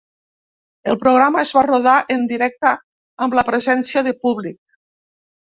El programa es va rodar en directe amb la presència de públic.